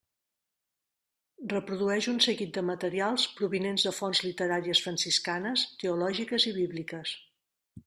Reprodueix un seguit de materials provinents de fonts literàries franciscanes, teològiques i bíbliques.